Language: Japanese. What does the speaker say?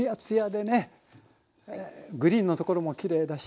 えグリーンのところもきれいだし。